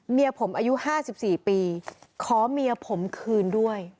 เมียผมอายุ๕๔ปีขอเมียผมคืนด้วย